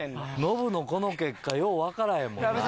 ノブのこの結果ようわからへんもんな。